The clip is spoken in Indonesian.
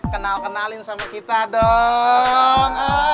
kenal kenalin sama kita dong